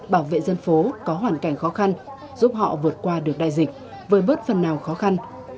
bảo vệ dân phố có hoàn cảnh khó khăn giúp họ vượt qua được đại dịch với bớt phần nào khó khăn